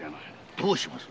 どうします？